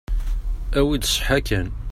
Awi-d ṣṣeḥḥa kan.